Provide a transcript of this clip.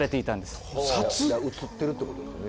じゃあ映ってるってことですよね